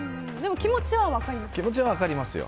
気持ちは分かりますよ。